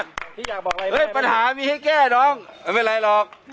สุดยอดปัญหามีให้แก้น้องยังเป็นไรหรอก